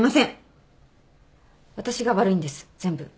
私が悪いんです全部。